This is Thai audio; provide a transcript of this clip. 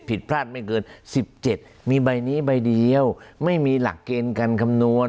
ผิดพลาดไม่เกิน๑๗มีใบนี้ใบเดียวไม่มีหลักเกณฑ์การคำนวณ